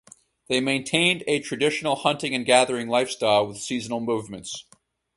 They maintained a traditional hunting and gathering lifestyle with seasonal movements.